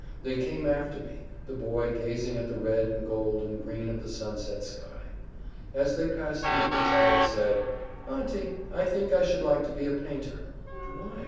They came after me, the boy gazing at the red and gold and green of the sunset sky. As they passed me, the child said— "Auntie, I think I should like to be a painter." "Why?"